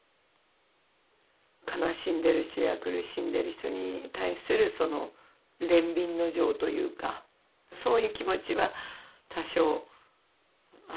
悲しんでる人や苦しんでる人に対するその憐憫の情というかそういう気持ちは多少あったのかもしれません。